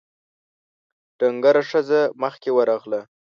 ډنګره ښځه مخکې ورغله: